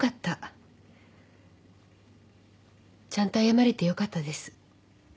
ちゃんと謝れてよかったです。